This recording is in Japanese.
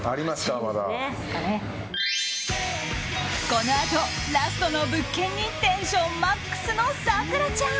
このあと、ラストの物件にテンションマックスの咲楽ちゃん。